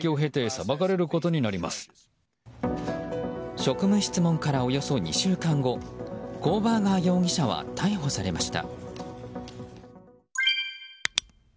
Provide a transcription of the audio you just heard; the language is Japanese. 職務質問からおよそ２週間後コーバーガー容疑者は逮捕されました。